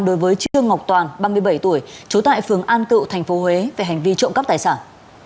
đối với trương ngọc toàn ba mươi bảy tuổi trú tại phường an cựu tp huế về hành vi trộm cắp tài sản